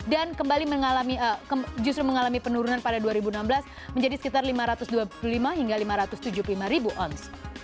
dan kembali mengalami justru mengalami penurunan pada dua ribu enam belas menjadi sekitar lima ratus dua puluh lima hingga lima ratus tujuh puluh lima ribu oz